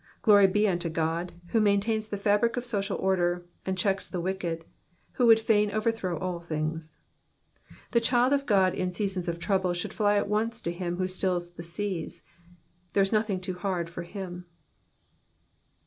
Glory be unto God who maintains the fabric of social order, and checks the wicked, who would fain overthrow all things. The child of God in seasons of trouble should fiy at once to him who stills the seas : nothing is too hard for him.